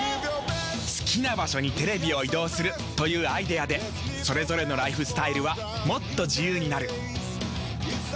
好きな場所にテレビを移動するというアイデアでそれぞれのライフスタイルはもっと自由になる。